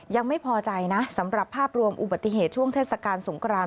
ยังไม่พอใจนะสำหรับภาพรวมอุบัติเหตุช่วงเทศกาลสงคราน